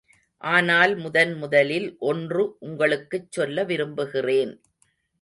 ஆனால் முதன்முதலில் ஒன்று உங்களுக்குச் சொல்ல விரும்புகிறேன்.